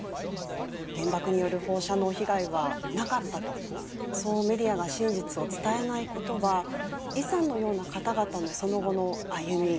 原爆による放射能被害はなかったとそうメディアが真実を伝えないことは李さんのような方々のその後の歩み